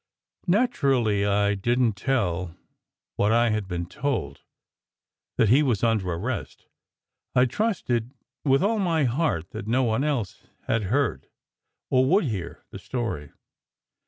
Naturally I didn t tell what I had been told : that he was under arrest. I trusted with all my heart that no one else had heard, or would hear, the story.